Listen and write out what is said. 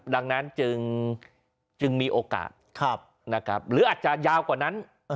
ดังนั้นจึงมีโอกาสหรืออาจจะยาวกว่านั้น